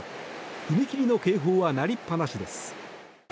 踏切の警報は鳴りっぱなしです。